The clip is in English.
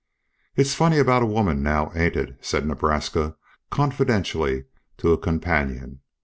"It's funny about a woman, now, ain't it?" said Nebraska, confidentially, to a companion.